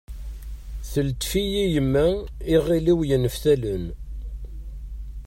Teltef-iyi yemma iɣil-iw yenneftalen.